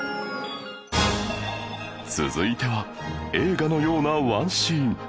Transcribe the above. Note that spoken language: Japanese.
続いては映画のようなワンシーン